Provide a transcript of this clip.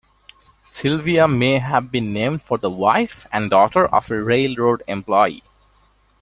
Sylvia may have been named for the wife and daughter of a railroad employee.